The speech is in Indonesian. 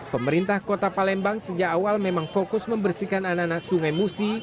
pemerintah kota palembang sejak awal memang fokus membersihkan anak anak sungai musi